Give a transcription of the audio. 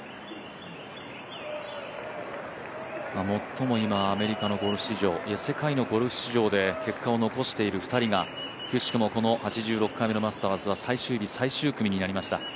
最も今、アメリカのゴルフ史上、世界のゴルフ史上で結果を出している２人がくしくも８６回目のマスターズは最終日最終組になりました。